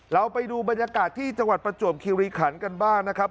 เราไปดูบรรยากาศที่จังหวัดประจวบคิริขันกันบ้างนะครับ